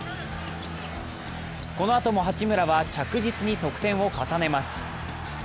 このあとも八村は着実に得点を重ねます。